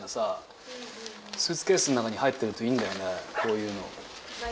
スーツケースの中に入ってるといいんだよねこういうの。